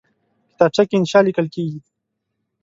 کتابچه کې انشاء لیکل کېږي